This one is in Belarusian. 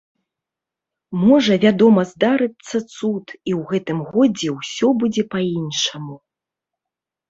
Можа, вядома, здарыцца цуд, і ў гэтым годзе ўсё будзе па-іншаму.